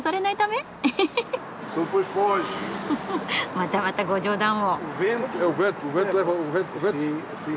またまたご冗談を。